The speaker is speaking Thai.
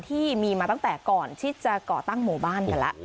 ที่มีมาตั้งแต่ก่อนที่จะก่อตั้งหมู่บ้านกันแล้ว